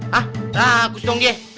hah ragus dong dia